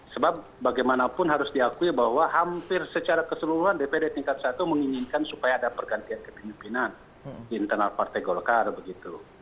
sebab bagaimanapun harus diakui bahwa hampir secara keseluruhan dpd tingkat satu menginginkan supaya ada pergantian kepemimpinan di internal partai golkar begitu